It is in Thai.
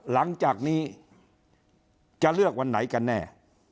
หลังจากนี้จะเลือกวันไหนกันแน่